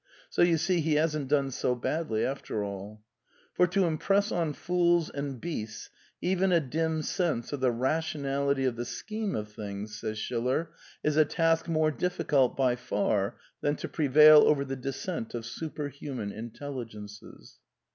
So, you see, he hasn't done so badly after all. " For to impress on fools and beasts even a dim sense of the rationality of the scheme of things, is a task more difficult by far than to prevail over the dissent of superhuman intelli gences."